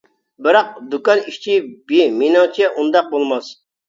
بىراق، دۇكان ئىككى ب. مېنىڭچە ئۇنداق بولماس.